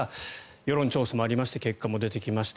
世論調査もありまして結果も出てきました。